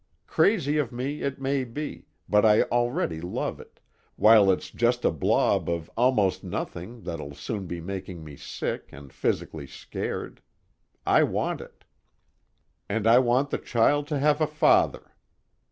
Crazy of me it may be, but I already love it, while it's just a blob of almost nothing that'll soon be making me sick and physically scared. I want it. "And I want the child to have a father.